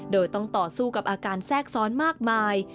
โดยต้องต่อสู้กับอาการแทรกซ้อนมากมาย